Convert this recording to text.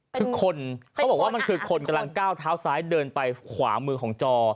คือคนเขาบอกว่ามันคือคนกำลังก้าวเท้าซ้ายเดินไปขวามือของจอ